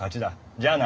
じゃあな。